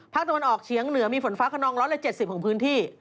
ตะวันออกเฉียงเหนือมีฝนฟ้าขนอง๑๗๐ของพื้นที่